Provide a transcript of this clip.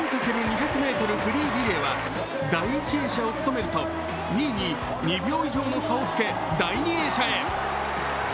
フリーリレーは第１泳者をつとめると２位に２秒以上の差をつけ、第２泳者へ。